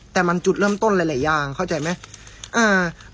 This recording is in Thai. แต่มันจุดเริ่มต้นหลายอย่างเข้าใจไหม